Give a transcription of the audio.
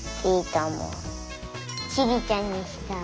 ちりちゃんにした。